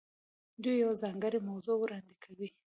دوی یوه ځانګړې موضوع وړاندې کوي.